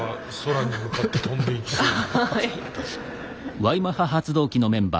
空に向かって飛んでいきそうな。